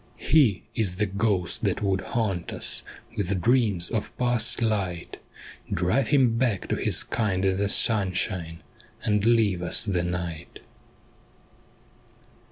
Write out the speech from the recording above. ' He is the ghost that would haunt us With dreams of past light ; Drive him back to his kind in the sunshine, And leave us the night.'